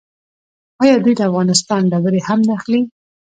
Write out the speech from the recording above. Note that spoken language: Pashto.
آیا دوی د افغانستان ډبرې هم نه اخلي؟